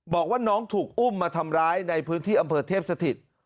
บอกว่าน้องถูกอุ้มมาทำร้ายในพื้นที่อำเภอเทพสถิต